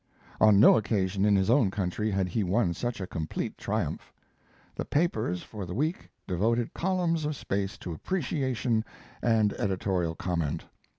On no occasion in his own country had he won such a complete triumph. The papers for a week devoted columns of space to appreciation and editorial comment.